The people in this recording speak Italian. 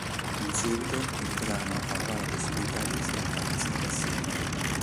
In seguito, il brano avrà la possibilità di riscattarsi in classifica.